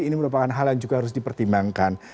ini merupakan hal yang juga harus dipertimbangkan